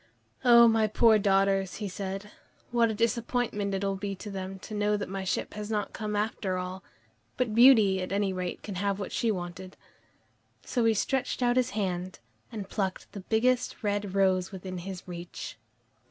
"Oh, my poor daughters," he said, "what a disappointment it will be to them to know that my ship has not come home after all, but Beauty at any rate can have what she wanted." So he stretched out his hand and plucked the biggest red rose within his reach.